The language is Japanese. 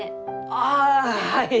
ああはい！